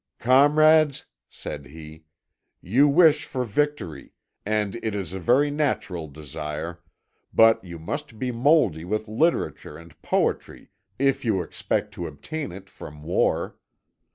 "Comrades," said he, "you wish for victory, and it is a very natural desire, but you must be mouldy with literature and poetry if you expect to obtain it from war.